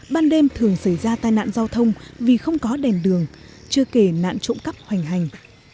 ban đêm thường xảy ra tai nạn giao thông vì không có đèn đường chưa kể nạn trộm cắp hoành hành